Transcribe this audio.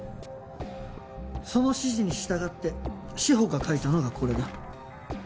その指示に従って志法が書いたのがこれだ。